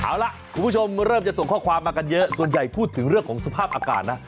เอาล่ะคุณผู้ชมเริ่มจะส่งข้อความมากันเยอะส่วนใหญ่พูดถึงเรื่องของสภาพอากาศนะ